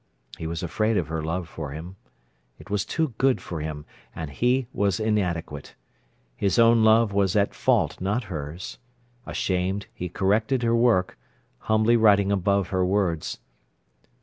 He was afraid of her love for him. It was too good for him, and he was inadequate. His own love was at fault, not hers. Ashamed, he corrected her work, humbly writing above her words.